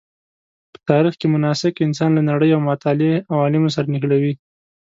په تاریخ کې مناسک انسان له نړۍ او متعالي عوالمو سره نښلوي.